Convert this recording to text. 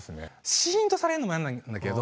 しんとされるのも嫌なんだけど。